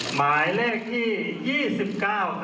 หมายเลขที่๒๙